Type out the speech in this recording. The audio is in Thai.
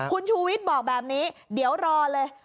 คุณชูวิทย์บอกแบบนี้เดี๋ยวรอเลย